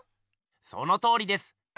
そのとおりです！